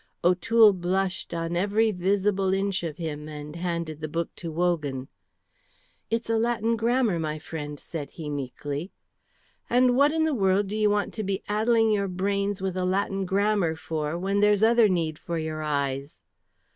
O'Toole blushed on every visible inch of him and handed the book to Wogan. "It's a Latin grammar, my friend," said he, meekly. "And what in the world do you want to be addling your brains with a Latin grammar for, when there's other need for your eyes?"